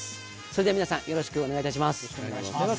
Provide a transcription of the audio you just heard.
それでは皆さん、よろしくお願いいたします。